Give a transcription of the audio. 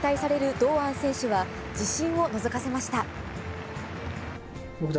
堂安選手は、自信をのぞかせました。